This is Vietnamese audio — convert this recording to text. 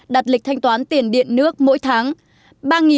đặt lịch thanh toán tiền điện nước mỗi tháng